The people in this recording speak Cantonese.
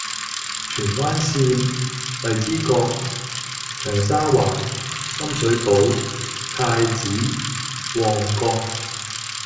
荃灣綫：荔枝角，長沙灣，深水埗，太子，旺角